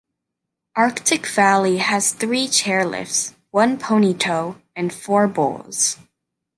Arctic Valley has three chair lifts, one pony tow, and four bowls.